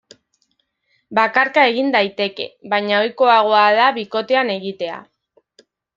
Bakarka egin daiteke, baina ohikoagoa da bikotean egitea.